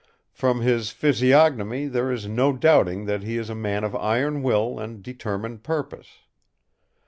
From his physiognomy there is no doubting that he is a man of iron will and determined purpose.